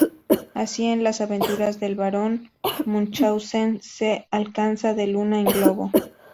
Así, en "Las aventuras del barón Munchausen" se alcanza la Luna en globo.